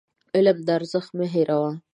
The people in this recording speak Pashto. د علم ارزښت مه هېروه.